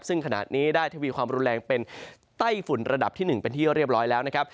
ซึ่งขณะนี้ได้ทวีความรุนแรงเป็นไต้ฝุ่นระดับที่๑เป็นที่เรียบร้อยแล้วนะครับ